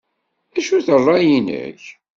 D acu-t ṛṛay-nnek?